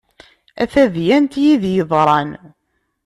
A tadyant yid-i yeḍran.